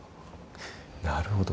なるほど。